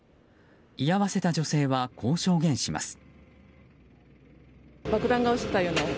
居合わせた女性はこう証言します。